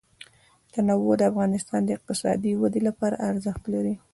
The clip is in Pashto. تنوع د افغانستان د اقتصادي ودې لپاره ارزښت لري.